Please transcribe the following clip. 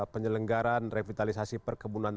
penyelenggaraan revitalisasi perkebunan